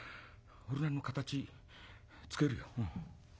俺の形つけるよ。